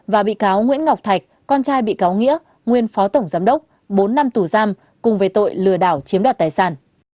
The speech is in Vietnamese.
và bị cáo nguyễn ngọc thạch con trai bị cáo nghĩa nguyên phó tổng giám đốc bốn năm tù giam cùng về tội lừa đảo chiếm đoạt tài sản